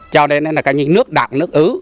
cho nên là cái như nước đặng nước ứ